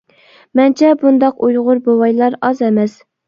مەنچە بۇنداق ئۇيغۇر بوۋايلا ئاز ئەمەس.